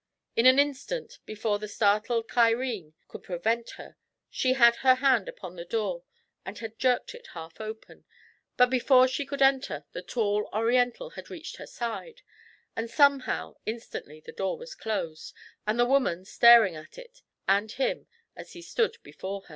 In an instant, before the startled Cairene could prevent her, she had her hand upon the door, and had jerked it half open; but before she could enter, the tall Oriental had reached her side, and somehow instantly the door was closed, and the woman staring at it and him as he stood before it.